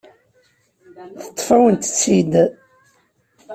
Teṭṭef-awen-tt-id.